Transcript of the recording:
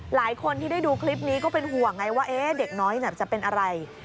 หลายคนที่ได้ดูคลิปนี้ก็เป็นห่วงไงว่าเด็กน้อยจะเป็นอะไร